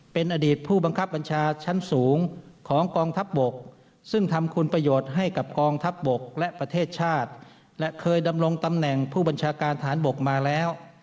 เป็นอดีตผู้บังคับบัญชาชั้นสูงของกองทัพบกซึ่งทำคุณประโยชน์ให้กับกองทัพบกและประเทศชาติและเคยดำรงตำแหน่งผู้บัญชาการฐานบกมาแล้ว